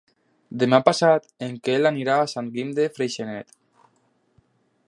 Demà passat en Quel anirà a Sant Guim de Freixenet.